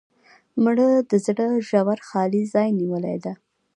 مړه د زړه ژور خالي ځای نیولې ده